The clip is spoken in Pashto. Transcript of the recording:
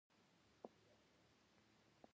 په شمالي امریکا کې د خلکو عواید ډېر شول.